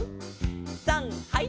さんはい！